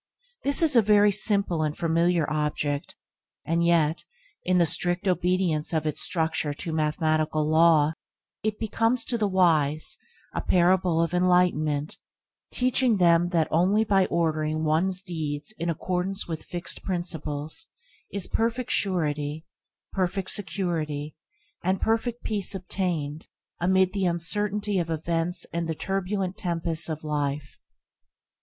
This is a very simple and familiar object, and yet, in the strict obedience of its structure to mathematical law, it becomes, to the wise, a parable of enlightenment, teaching them that only by ordering one's deeds in accordance with fixed principles is perfect surety, perfect security, and perfect peace obtained amid the uncertainty of events and the turbulent tempests of life.